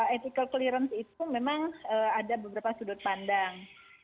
ethical clearance itu memang ada beberapa sudut pandang